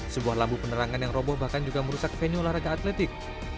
sebuah lampu penerangan yang roboh bahkan juga merusak venue olahraga atletik